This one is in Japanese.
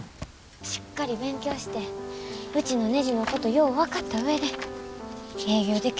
しっかり勉強してうちのねじのことよう分かった上で営業できるようになりたいんです。